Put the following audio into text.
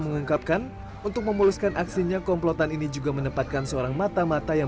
mengungkapkan untuk memuluskan aksinya komplotan ini juga menempatkan seorang mata mata yang